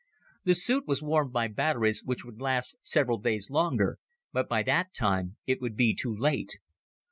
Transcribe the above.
The suit was warmed by batteries which would last several days longer, but by that time it would be too late.